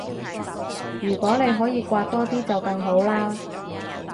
如果你可以搲多啲就更好啦